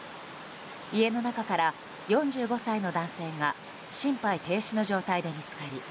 家の中から４５歳の男性が心肺停止の状態で見つかり